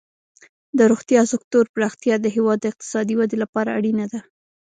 د روغتیا سکتور پراختیا د هیواد د اقتصادي ودې لپاره اړینه ده.